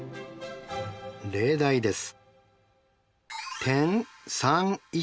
例題です。